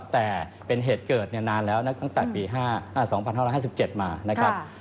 แต่เป็นเหตุเกิดนานแล้วตั้งแต่ปี๒๕๕๗มานะครับ